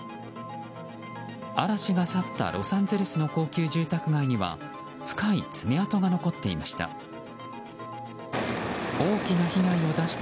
嵐が去ったロサンゼルスの高級住宅街には深い爪痕が残っていました。